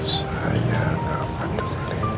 saya gak peduli